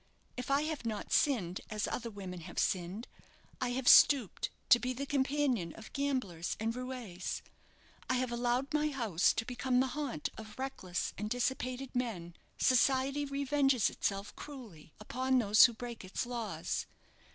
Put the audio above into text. If I have not sinned as other women have sinned, I have stooped to be the companion of gamblers and roués; I have allowed my house to become the haunt of reckless and dissipated men. Society revenges itself cruelly upon those who break its laws.